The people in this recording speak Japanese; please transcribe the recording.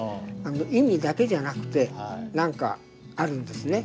意味だけじゃなくて何かあるんですね